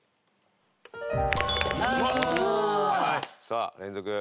さあ連続。